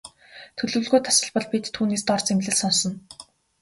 Төлөвлөгөө тасалбал бид түүнээс дор зэмлэл сонсоно.